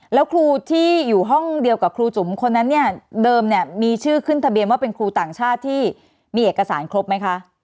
แล้วครูที่อยู่ห้องเดียวกับครูจุ๋มคนนั้นเนี่ยเดิมเนี่ยมีชื่อขึ้นทะเบียนว่าเป็นครูต่างชาติที่มีเอกสารครบไหมคะ